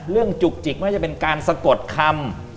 เรื่องจุกจิกไม่ได้เป็นการสะกดคำ